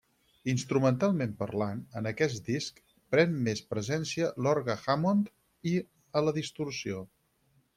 Instrumentalment parlant, en aquest disc pren més presència l'orgue Hammond i a la distorsió.